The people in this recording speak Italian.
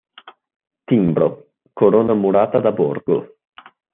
Timbro: corona murata da borgo.